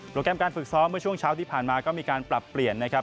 แกรมการฝึกซ้อมเมื่อช่วงเช้าที่ผ่านมาก็มีการปรับเปลี่ยนนะครับ